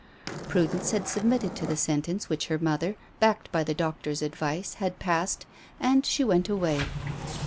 Prudence had submitted to the sentence which her mother, backed by the doctor's advice, had passed, and she went away.